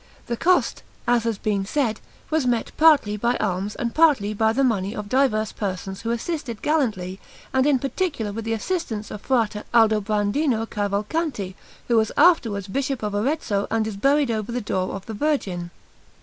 The cost, as has been said, was met partly by alms and partly by the money of diverse persons who assisted gallantly, and in particular with the assistance of Frate Aldobrandino Cavalcanti, who was afterwards Bishop of Arezzo and is buried over the door of the Virgin.